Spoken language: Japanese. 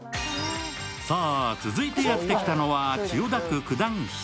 さぁ、続いてやってきたのは千代田区九段下。